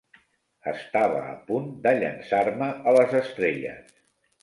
Estava a punt de llençar-me a les estrelles.